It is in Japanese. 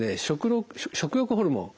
食欲ホルモン